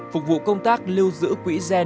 phục vụ công tác lưu giữ quỹ giáo